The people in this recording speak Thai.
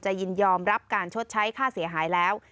ยินยอมรับการชดใช้ค่าเสียหายแล้ว